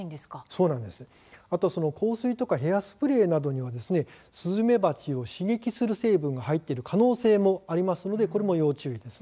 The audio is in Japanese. あと香水やヘアスプレーなどにはスズメバチを刺激する成分が入っている可能性がありますのでこれも要注意です。